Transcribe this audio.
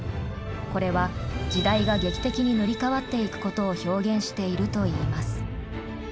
これは時代が劇的に塗り変わっていくことを表現しているといいます。